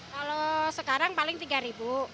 kalau sekarang paling tiga ribu